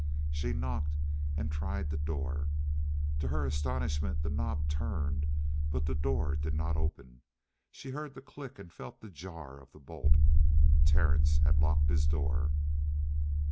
She knocked and tried the door. To her astonishment, the knob turned, but the door did not open. She heard the click and felt the jar of the bolt. Terry had locked his door!